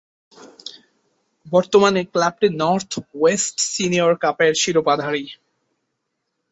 বর্তমানে ক্লাবটি north west senior কাপের শিরোপাধারী।